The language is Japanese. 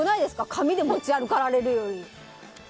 紙で持ち歩かられるより。